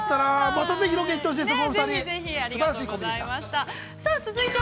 またぜひロケ行ってほしいですね